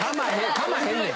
かまへんねん。